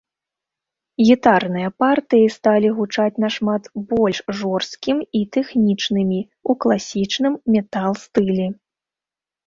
Гітарныя партыі сталі гучаць нашмат больш жорсткім і тэхнічнымі, у класічным метал-стылі.